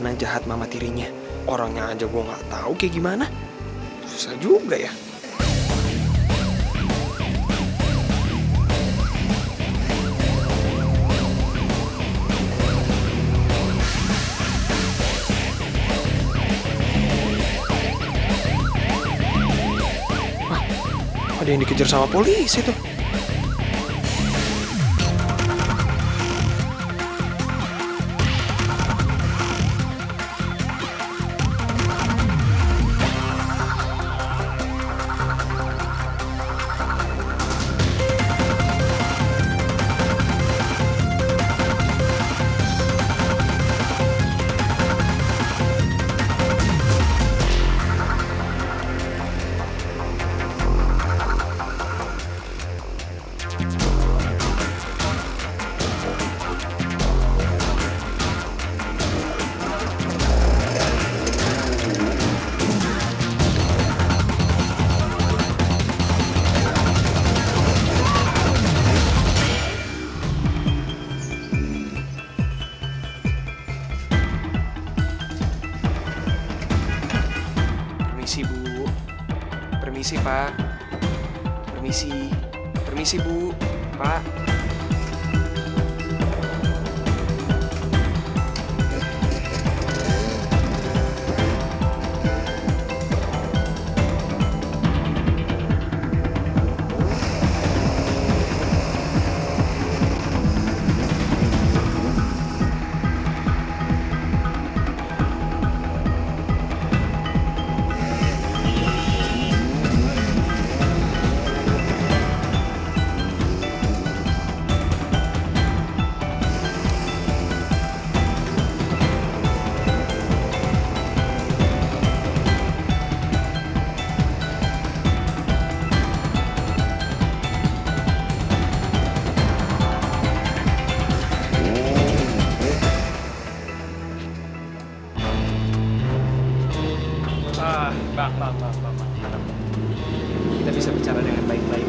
ah bang bang bang kita bisa bicara dengan baik baik